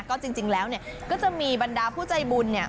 ก็จริงแล้วก็จะมีบรรดาผู้ใจบุญ